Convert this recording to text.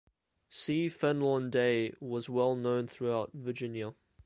C. Fenlon Day, was well known throughout Virginia.